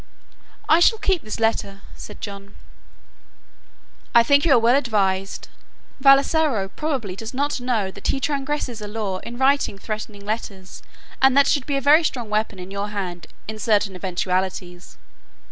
"I shall keep this letter," said John. "I think you are well advised. Vassalaro probably does not know that he transgresses a law in writing threatening letters and that should be a very strong weapon in your hand in certain eventualities."